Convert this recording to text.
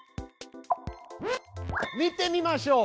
見てみましょう！